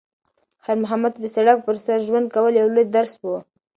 خیر محمد ته د سړک پر سر ژوند کول یو لوی درس و.